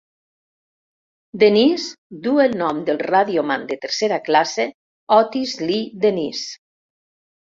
"Dennis" du el nom del Radioman de tercera classe Otis Lee Dennis.